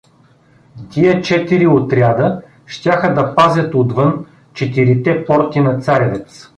Тия четири отряда щяха да пазят отвън четирите порти на Царевец.